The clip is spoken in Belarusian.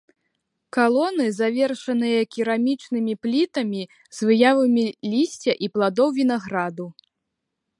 Калоны завершаныя керамічнымі плітамі з выявамі лісця і пладоў вінаграду.